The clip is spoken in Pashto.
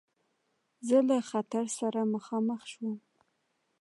زه له خطر سره مخامخ شوم.